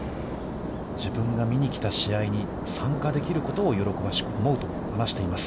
自分が見に来た試合に参加できることを喜ばしく思うと話しています。